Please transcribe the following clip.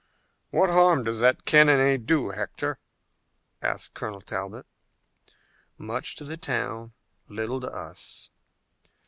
"What harm does that cannonade do, Hector?" asked Colonel Talbot. "Much to the town, little to us."